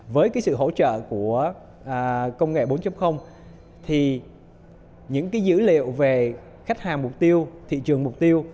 với sự hỗ trợ của công nghệ bốn những dữ liệu về khách hàng mục tiêu thị trường mục tiêu